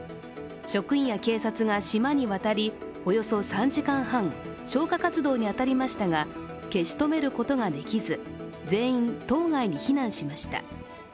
職員や警察が島に渡りおよそ３時間半消火活動に当たりましたが消し止めることができず、全員、島外に避難しました。